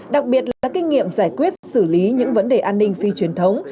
đặc biệt là các kinh nghiệm giải quyết xử lý những vấn đề an ninh phi truyền thống